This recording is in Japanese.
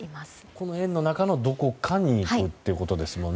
この円の中のどこかに行くということですもんね。